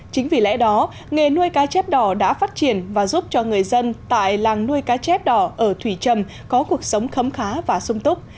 chính vì lẽ đó nghề nuôi cá chép đỏ đã phát triển và giúp cho người dân tại làng nuôi cá chép đỏ ở thủy trầm có cuộc sống khấm khá và sung túc